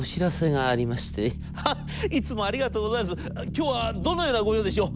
今日はどのような御用でしょう。